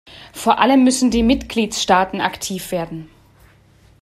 Vor allem müssen die Mitgliedstaaten aktiv werden.